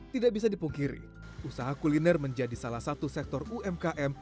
tidak bisa dipungkiri usaha kuliner menjadi salah satu sektor umkm